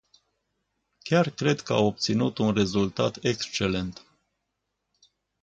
Chiar cred că au obținut un rezultat excelent.